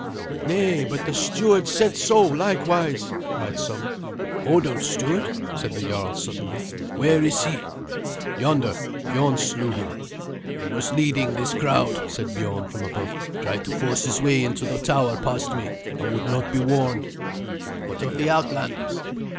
"Nay, but the steward said so likewise," cried some. "Hodulf's steward?" said the jarl suddenly; "where is he?" "Yonder. Biorn slew him." "He was leading this crowd," said Biorn from above, "tried to force his way into the tower past me, and would not be warned." "What of the outlanders?"